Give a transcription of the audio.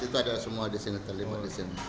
itu adalah semua di sini terlibat di sini